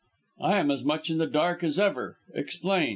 "I am as much in the dark as ever. Explain."